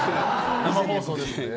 生放送ですので。